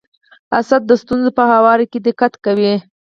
اسد د ستونزو په هواري کي دقت کوي.